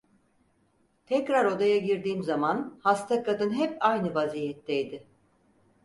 Tekrar odaya girdiğim zaman hasta kadın hep aynı vaziyetteydi.